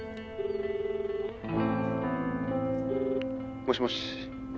もしもし舞？